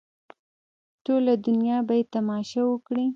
ټوله دنیا به یې تماشه وکړي.